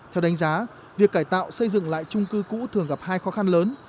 theo đánh giá việc cải tạo xây dựng lại trung cư cũ thường gặp hai khó khăn lớn